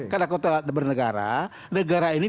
karena konteks bernegara negara ini